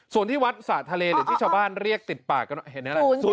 ส่วนที่วัดสระทะเลหรือที่ชาวบ้านเรียกติดปากกันเห็นอะไร